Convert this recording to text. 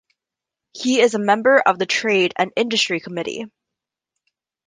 He is a Member of the Trade and Industry Committee.